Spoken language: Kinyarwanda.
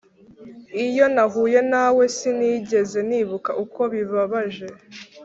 iyo nahuye nawe, sinigeze nibuka uko bibabaje.